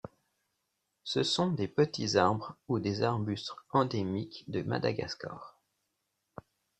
Ce sont des petits arbres ou des arbustes endémiques de Madagascar.